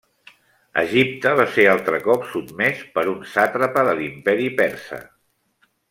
Egipte va ser altre cop sotmès per un sàtrapa de l'Imperi persa.